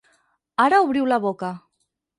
Ara obriu la boca.